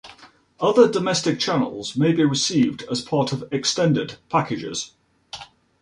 Other 'domestic' channels may be received as part of extended packages.